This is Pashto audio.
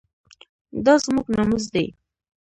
دا زموږ ناموس دی